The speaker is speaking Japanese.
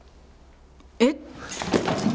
えっ？